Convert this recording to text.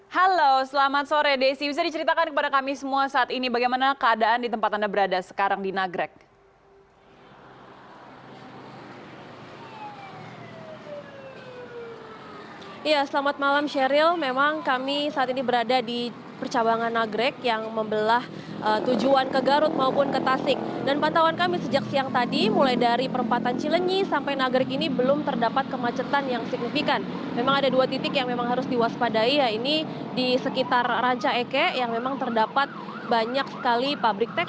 halo selamat sore desi bisa diceritakan kepada kami semua saat ini bagaimana keadaan di tempat anda berada sekarang di nagrek